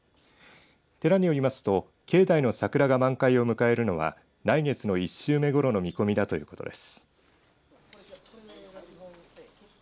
寺によりますと境内の桜が満開を迎えるのは来月の一週目ごろの見込みだということです。